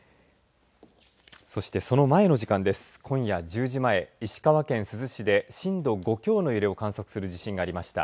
そしてその前の時間です今夜１０時前石川県珠洲市で震度５強の揺れを観測する地震がありました。